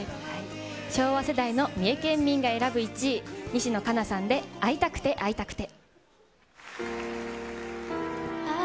昭和世代の三重県民が選ぶ１位、西野カナさんで会いたくて会いたくて。